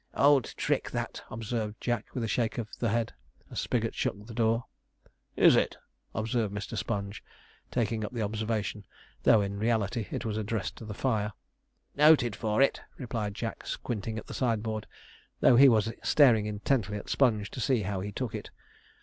'Old trick that,' observed Jack, with a shake of the head, as Spigot shut the door. 'Is it?' observed Mr. Sponge, taking up the observation, though in reality it was addressed to the fire. 'Noted for it,' replied Jack, squinting at the sideboard, though he was staring intently at Sponge to see how he took it.